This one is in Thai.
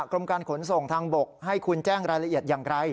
กรมการขนส่งทางบกให้คุณแจ้งรายละเอียดอย่างไร